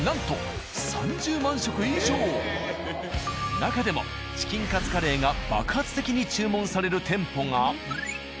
なかでもチキンカツカレーが爆発的に注文される店舗が。